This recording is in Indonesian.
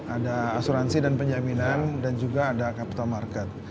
ada asuransi dan penjaminan dan juga ada capital market